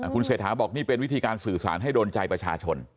คุณเศรษฐาบอกนี่เป็นวิธีการสื่อสารให้โดนใจประชาชน